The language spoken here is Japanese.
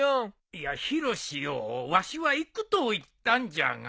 いやヒロシよわしは行くと言ったんじゃが。